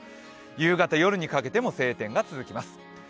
夕方、夜にかけても晴天が続きます。